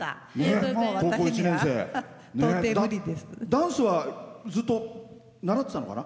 ダンスはずっと習ってたのかな？